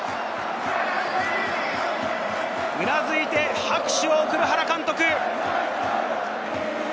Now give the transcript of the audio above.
うなずいて拍手を送る原監督。